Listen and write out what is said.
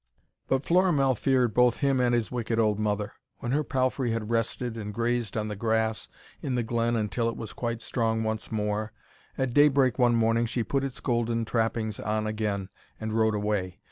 But Florimell feared both him and his wicked old mother. When her palfrey had rested, and grazed on the grass in the glen until it was quite strong once more, at daybreak one morning she put its golden trappings on again and rode away.